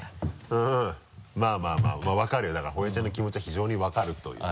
うんまぁまぁわかるよだから堀江ちゃんの気持ちは非常にわかるというね。